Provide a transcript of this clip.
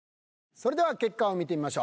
それでは結果を見てみましょう。